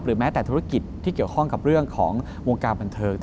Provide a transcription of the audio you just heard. แม้แต่ธุรกิจที่เกี่ยวข้องกับเรื่องของวงการบันเทิง